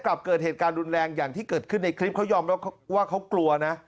เกิดเหตุการณ์รุนแรงอย่างที่เกิดขึ้นในคลิปเขายอมรับว่าเขากลัวนะ